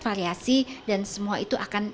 variasi dan semua itu akan